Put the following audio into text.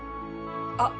あっ！